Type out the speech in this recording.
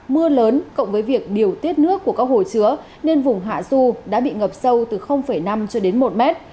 mưa lớn cộng với việc điều tiết nước của các hồ chứa nên vùng hạ du đã bị ngập sâu từ năm cho đến một mét